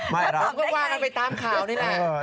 มันก็ว่ากันไปตามข่าวนี่แหละ